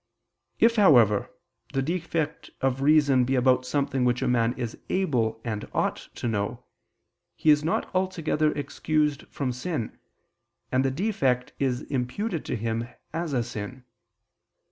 If, however, the defect of reason be about something which a man is able and ought to know, he is not altogether excused from sin, and the defect is imputed to him as a sin.